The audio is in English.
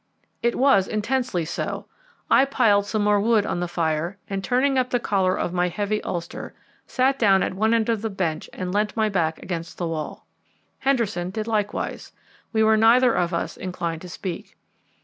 It was intensely so. I piled some more wood on the fire and, turning up the collar of my heavy ulster, sat down at one end of the bench and leant my back against the wall. Henderson did likewise; we were neither of us inclined to speak.